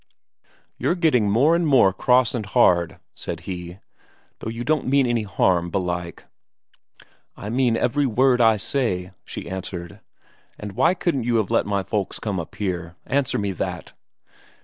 "You're getting more and more cross and hard," said he, "though you don't mean any harm, belike." "I mean every word I say," she answered. "And why couldn't you have let my folks come up here? answer me that!